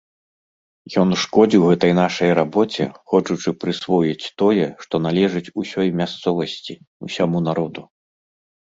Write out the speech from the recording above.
Ён шкодзіў гэтай нашай рабоце, хочучы прысвоіць тое, што належыць усёй мясцовасці, усяму народу.